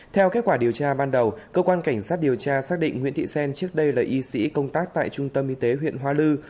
theo kết quả điều tra ban đầu cơ quan cảnh sát điều tra xác định nguyễn thị xen trước đây là y sĩ công tác tại trung tâm y tế huyện hoa lư